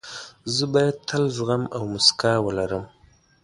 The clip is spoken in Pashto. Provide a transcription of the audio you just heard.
زه باید تل زغم او موسکا ولرم.